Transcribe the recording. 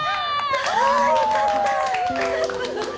ああよかった。